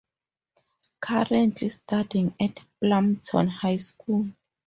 Currently studying at Plumpton High School.